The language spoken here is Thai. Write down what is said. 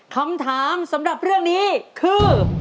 คำถามสำหรับเรื่องนี้คือ